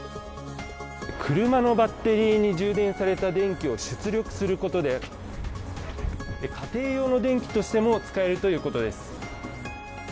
車のバッテリーに充電された電気を出力することで家庭用の電気としても使えるということです。